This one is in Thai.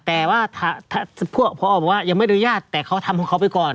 แต่ว่าพอบอกว่ายังไม่อนุญาตแต่เขาทำของเขาไปก่อน